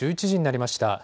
１１時になりました。